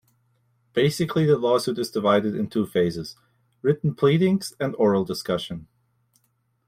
Basically the lawsuit is divided in two phases: written pleadings and oral discussion.